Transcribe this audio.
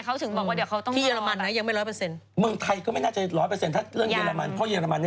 เขาตองบอกว่าหรืออยู่ในเยอรมันนะ